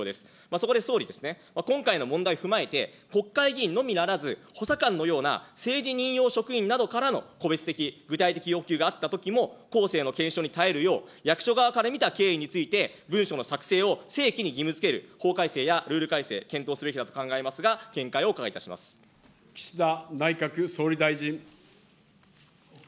そこで総理ですね、今回の問題踏まえて、国会議員のみならず、補佐官のような政治任用職員などからの個別的、具体的要求があったときも、後世の検証に耐えるよう、役所側から見た経緯について、文書の作成を正規に義務づける法改正やルール改正、検討すべきだと考えますが、岸田内閣総理大臣。